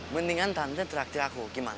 mendingan tante traktir aku gimana